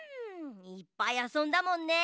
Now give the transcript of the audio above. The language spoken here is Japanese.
いっぱいあそんだもんね。